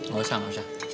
gak usah gak usah